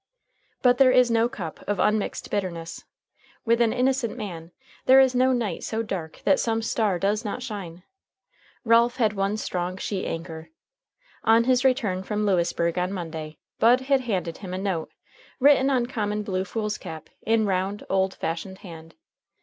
But there is no cup of unmixed bitterness. With an innocent man there is no night so dark that some star does not shine. Ralph had one strong sheet anchor. On his return from Lewisburg on Monday Bud had handed him a note, written on common blue foolscap, in round, old fashioned hand.